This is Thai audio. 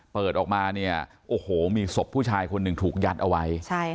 เปิดออกมาเนี่ยโอ้โหมีศพผู้ชายคนหนึ่งถูกยัดเอาไว้